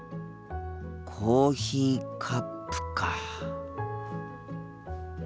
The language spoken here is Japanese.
コーヒーカップか。